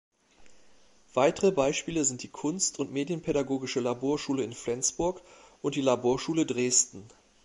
Weitere Beispiele sind die Kunst- und Medienpädagogische Laborschule in Flensburg und die Laborschule Dresden.